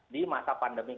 di masa pandemi ini